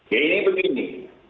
ya ini begini